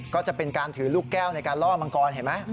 ก็จะเป็นการถือลูกแก้วในการล่อมังกรเห็นไหม